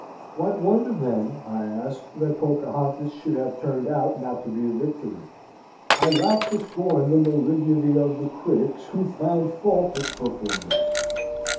What wonder then, I ask, that Pocahontas should have turned out not to be a victory? I laugh to scorn the malignity of the critics who found fault with the performance.